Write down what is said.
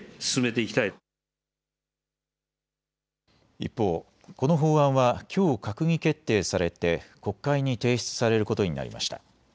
一方、この法案はきょう閣議決定されて国会に提出されることになりました。